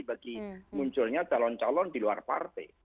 bagi munculnya calon calon di luar partai